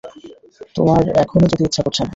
তোমার এখনো যেতে ইচ্ছা করছে না।